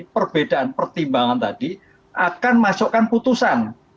perbedaan pertimbangan tadi akan masukkan putusan